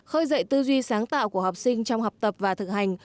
khơi dậy tư duy sáng tạo của học sinh trong học tập và thực hành